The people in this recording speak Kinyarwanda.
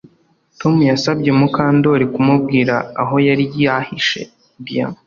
Tom yasabye Mukandoli kumubwira aho yari yahishe diyama